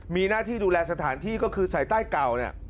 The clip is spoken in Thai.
มีหน้าที่ดูแลสถานที่ก็คือทรัยไต้เก่า